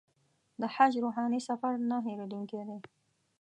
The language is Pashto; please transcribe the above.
د حج روحاني سفر نه هېرېدونکی دی.